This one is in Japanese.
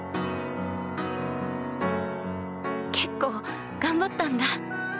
結構頑張ったんだ。